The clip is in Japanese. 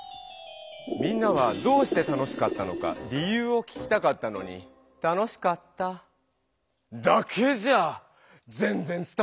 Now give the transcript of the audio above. みんなはどうして楽しかったのか理由を聞きたかったのに「楽しかった」だけじゃぜんぜん伝わらなかったけどね。